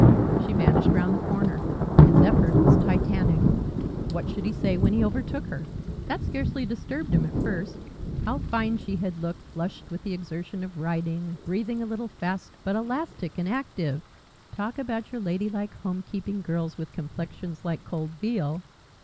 She vanished round the corner. His effort was Titanic. What should he say when he overtook her? That scarcely disturbed him at first. How fine she had looked, flushed with the exertion of riding, breathing a little fast, but elastic and active! Talk about your ladylike, homekeeping girls with complexions like cold veal!